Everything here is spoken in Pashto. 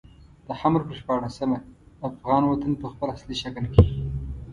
د حمل پر شپاړلسمه افغان وطن په خپل اصلي شکل کې.